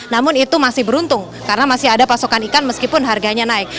namun itu masih beruntung karena masih ada pasokan ikan meskipun harganya naik